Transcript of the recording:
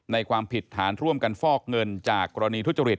ความผิดฐานร่วมกันฟอกเงินจากกรณีทุจริต